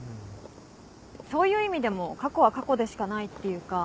そういう意味でも過去は過去でしかないっていうか。